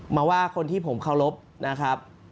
มาว่าคนที่ผมเคารพนะครับ